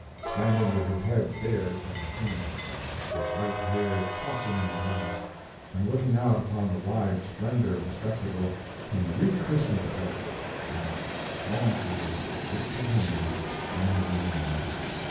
Standing with his head bared to the tumult, his white hair tossing in the blast, and looking out upon the wide splendor of the spectacle, he rechristened the place, and "Stormfield" it became and remained.